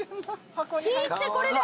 ちっちゃこれだ。